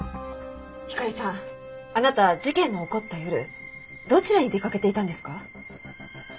ひかりさんあなた事件の起こった夜どちらに出かけていたんですか？